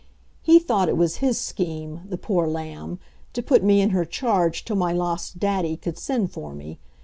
He thought it was his scheme, the poor lamb, to put me in her charge till my lost daddy could send for me.